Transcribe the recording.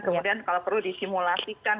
kemudian kalau perlu disimulasikan